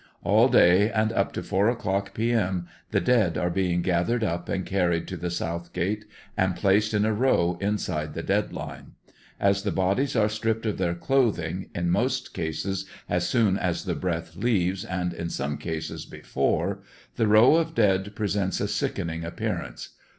All day and up to four o'clock p m. , the dead are being gathered up and carried to the south gate and placed in a row inside the dead line. As the bodies are stripped of their clothing in most cases as soon ms the breath leaves, and in some cases before, the row of dead pre sents a sickening appearance.